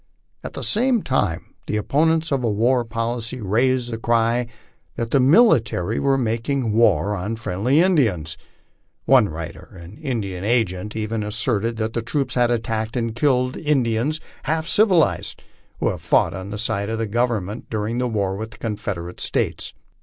At the same time the opponents of a war policy raised the cry that the military were making war on friendly Indians ; one u riter, an Indian agent, even as serting that the troops had attacked and killed Indians half civilized, who had fought on the side of the Government during the war with the Confederate States.